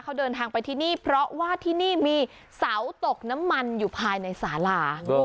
เขาเดินทางไปที่นี่เพราะว่าที่นี่มีเสาตกน้ำมันอยู่ภายในสาลา